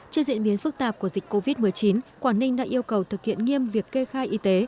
trước diễn biến phức tạp của dịch covid một mươi chín quảng ninh đã yêu cầu thực hiện nghiêm việc kê khai y tế